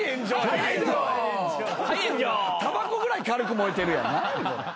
たばこぐらい軽く燃えてるやん。